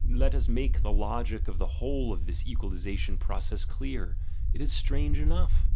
Let us make the logic of the whole of this equalisation process clear; it is strange enough.